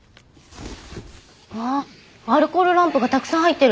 わっアルコールランプがたくさん入ってる。